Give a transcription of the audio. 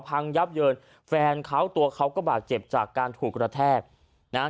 พังยับเยินแฟนเขาตัวเขาก็บาดเจ็บจากการถูกกระแทกนะฮะ